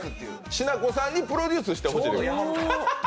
しなこさんにプロデュースしてほしいってことね。